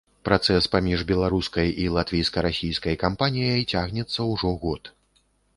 Працэс паміж беларускай і латвійска-расійскай кампаніяй цягнецца ўжо год.